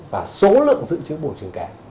và số lượng dự trữ vỏ trứng kém